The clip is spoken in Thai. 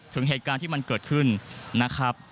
ถึงเหตุการณ์ที่มันเกิดขึ้นนะครับ